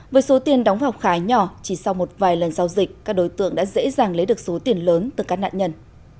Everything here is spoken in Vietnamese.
với số tiền đóng vào khá nhỏ chỉ sau một vài lần giao dịch các đối tượng đã dễ dàng lấy được số tiền lớn từ các nạn nhân